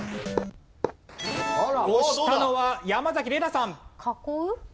押したのは山崎怜奈さん。